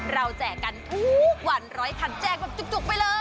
แจกกันทุกวัน๑๐๐คันแจกแบบจุกไปเลย